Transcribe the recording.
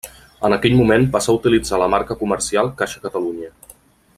En aquell moment passà utilitzar la marca comercial Caixa Catalunya.